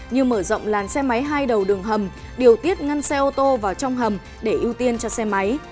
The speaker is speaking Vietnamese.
như mở rộng làn xe máy hai đầu đường hầm điều tiết ngăn xe ô tô vào trong hầm để ưu tiên cho xe máy